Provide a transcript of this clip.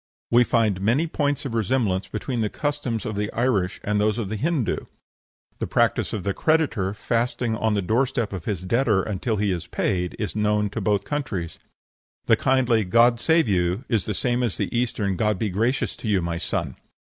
We find many points of resemblance between the customs of the Irish and those of the Hindoo. The practice of the creditor fasting at the door step of his debtor until he is paid, is known to both countries; the kindly "God save you!" is the same as the Eastern "God be gracious to you, my son!"